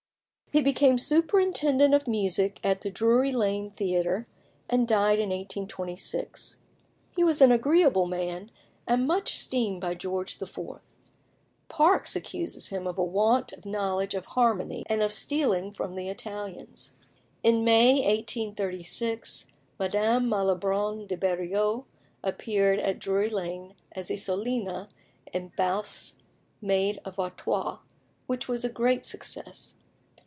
He became superintendent of music at the Drury Lane Theatre, and died in 1826. He was an agreeable man, and much esteemed by George IV. Parkes accuses him of a want of knowledge of harmony, and of stealing from the Italians. In May 1836 Madame Malibran (de Beriot) appeared at Drury Lane as Isolina in Balfe's "Maid of Artois," which was a great success.